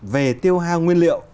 về tiêu hào nguyên liệu